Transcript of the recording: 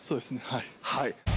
はい